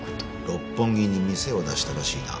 六本木に店を出したらしいな？